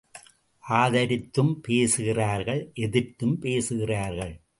ஆதரித்தும் பேசுகிறார்கள் எதிர்த்தும் பேசுகிறார்கள்.